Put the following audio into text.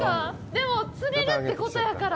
でも、釣れるってことやから。